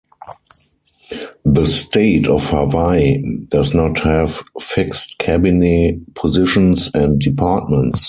The state of Hawaii does not have fixed cabinet positions and departments.